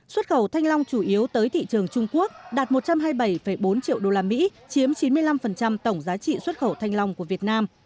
xuất khẩu thanh long chủ yếu tới thị trường trung quốc đạt một trăm hai mươi bảy bốn triệu usd chiếm chín mươi năm tổng giá trị xuất khẩu thanh long của việt nam